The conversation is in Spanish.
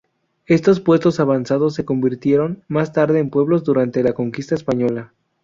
Estos puestos avanzados se convirtieron más tarde en pueblos durante la conquista española.